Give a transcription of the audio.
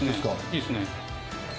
いいですね。